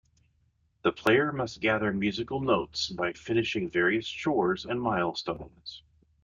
The player must gather musical notes by finishing various chores and milestones.